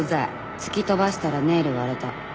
「突き飛ばしたらネイル割れた。